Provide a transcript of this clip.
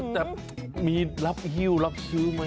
แต่มีรับฮิ้วรับซื้อไหม